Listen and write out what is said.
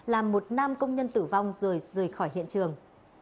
làm một nam công nhân tử vong rồi rời khỏi hiện trường